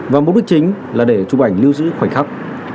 và mục đích chính là để chụp ảnh lưu giữ khoảnh khắc